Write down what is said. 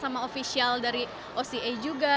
sama ofisial dari oca juga